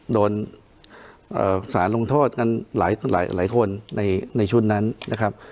โดนเอ่อสถานลงโทษกันหลายหลายหลายคนในในชุดนั้นนะครับ